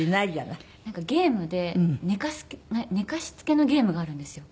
なんかゲームで寝かしつけのゲームがあるんですよ。